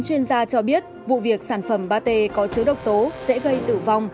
chuyên gia cho biết vụ việc sản phẩm pate có chứa độc tố sẽ gây tử vong